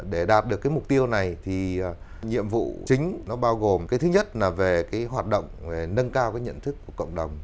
để đạt được cái mục tiêu này thì nhiệm vụ chính nó bao gồm cái thứ nhất là về cái hoạt động nâng cao cái nhận thức của cộng đồng